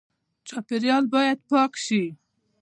چاپیریال باید پاک شي